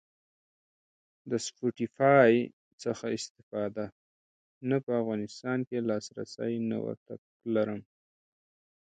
د سپوټیفای څخه استفاده؟ نه په افغانستان کی لاسرسی نه ور ته لرم